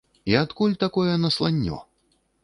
І адкуль такое насланнё?